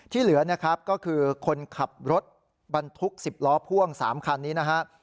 เหลือนะครับก็คือคนขับรถบรรทุก๑๐ล้อพ่วง๓คันนี้นะฮะ